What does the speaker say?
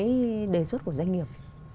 cái đề xuất của doanh nghiệp